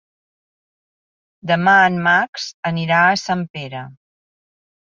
Demà en Max anirà a Sempere.